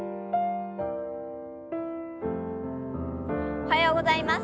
おはようございます。